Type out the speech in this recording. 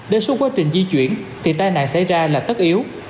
trong quá trình di chuyển thì tai nạn xảy ra là tất yếu